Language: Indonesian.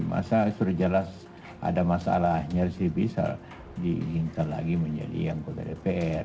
masa sudah jelas ada masalahnya resipidis diinginkan lagi menjadi anggota dpr